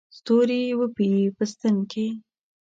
ستوري وپېي په ستن کې